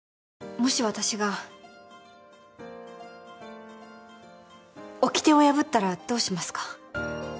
もし私が掟を破ったらどうしますか？